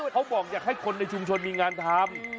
เขาบอกอยากให้คนในชุมชนมีงานทำ